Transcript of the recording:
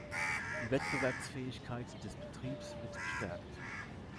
Die Wettbewerbsfähigkeit des Betriebs wird gestärkt.